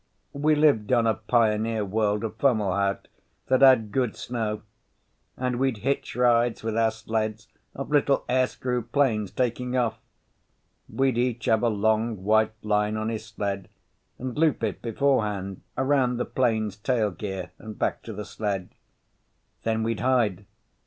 We lived on a pioneer world of Fomalhaut that had good snow, and we'd hitch rides with our sleds off little airscrew planes taking off. We'd each have a long white line on his sled and loop it beforehand around the plane's tail gear and back to the sled. Then we'd hide.